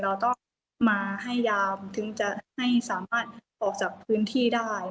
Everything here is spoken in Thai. เราต้องมาให้ยามถึงจะให้สามารถออกจากพื้นที่ได้